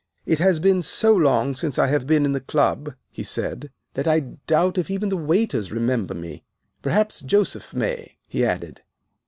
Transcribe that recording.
"It has been so long since I have been in the Club," he said, "that I doubt if even the waiters remember me. Perhaps Joseph may," he added.